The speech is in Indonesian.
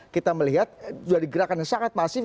kita melihat dari gerakan yang sangat masif